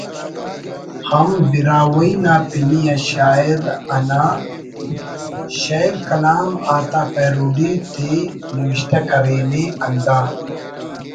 ہم براہوئی نا پنی آ شاعر آتا شئیر کلام آتا پیروڈی تے نوشتہ کرینے ہندا